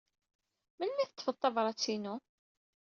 Melmi ay d-teḍḍfed tabṛat-inu?